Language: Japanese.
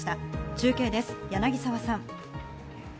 中継です、柳沢さん。